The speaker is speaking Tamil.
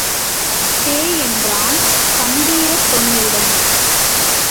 சே! என்றான் கம்பீரத்தொனியுடன்.